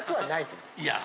いや。